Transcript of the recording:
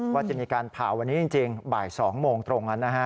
ว่าจะมีการผ่าวันนี้จริงบ่าย๒โมงตรงนั้นนะฮะ